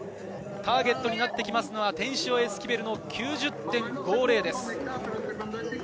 ターゲットになってくるのはテンシオ・エスキベルの９０．５０です。